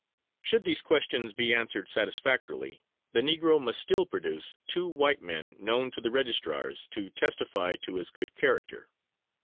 Should these questions be answered satisfactorily, the negro must still produce two white men known to the registrars to testify to his good character.